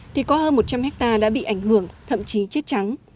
thì có hơn một trăm linh hectare đã bị ảnh hưởng thậm chí chết trắng